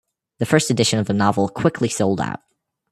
The first edition of the novel quickly sold out.